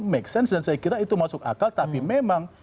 make sense dan saya kira itu masuk akal tapi memang